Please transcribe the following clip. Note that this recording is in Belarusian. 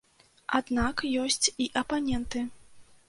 Аднак ёсць і апаненты.